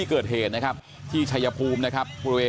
ข้อเศรษฐกิจกรรม